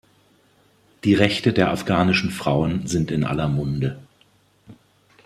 Die Rechte der afghanischen Frauen sind in aller Munde.